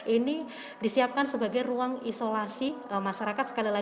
ini disiapkan sebagai ruang isolasi masyarakat